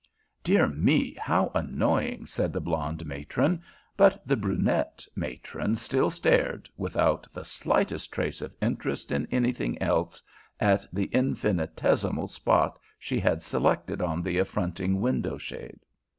"Dear me, how annoying," said the blonde matron, but the brunette matron still stared, without the slightest trace of interest in anything else, at the infinitesimal spot she had selected on the affronting window shade.